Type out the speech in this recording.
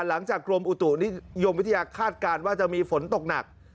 หลังจากกรมอุตุนิยมวิทยาคาดการณ์ว่าจะมีฝนตกหนัก